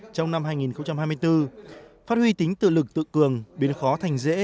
trong năm hai nghìn hai mươi bốn phát huy tính tự lực tự cường biến khó thành dễ